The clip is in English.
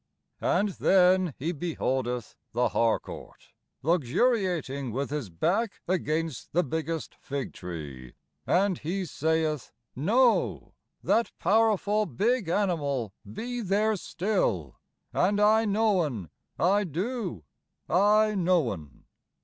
And then he beholdeth the Harcourt Luxuriating with his back against the biggest fig tree, And he sayeth "No; That powerful big animal be there still, And I know'un, I do, I know'un!"